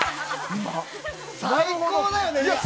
最高だよね？